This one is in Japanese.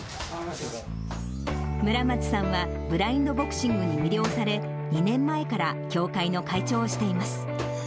村松さんはブラインドボクシングに魅了され、２年前から協会の会長をしています。